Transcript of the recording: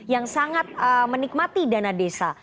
yang sangat menikmati dana desa